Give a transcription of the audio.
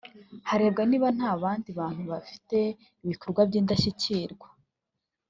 harebwa niba nta bandi bantu bafite ibikorwa by’indashyikirwa